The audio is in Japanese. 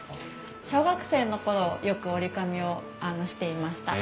小学生の頃よく折り込みをしていました。